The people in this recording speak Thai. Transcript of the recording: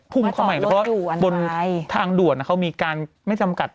พุ่งเข้ามาอย่างนี้เพราะว่าบนทางด่วนนะเขามีการไม่จำกัด